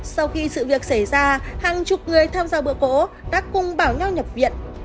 sau khi sự việc xảy ra hàng chục người tham gia bơ cổ đã cùng bảo nhau nhập viện